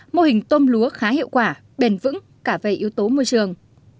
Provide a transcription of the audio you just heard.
mô hình tôm lúa khá hiệu quả bền vững cả về yếu tố môi trường